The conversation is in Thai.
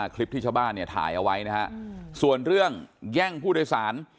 คลิปที่ชาวบ้านเนี่ยถ่ายเอาไว้นะฮะส่วนเรื่องแย่งผู้โดยสาร